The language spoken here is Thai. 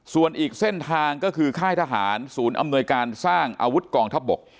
ส่วนอีกเส้นทางก็คือค่ายทหารศูนย์อำนวยการสร้างอาวุธกองทัพบก